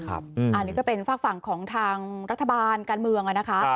อันนี้ก็เป็นฝากฝั่งของทางรัฐบาลการเมืองนะคะ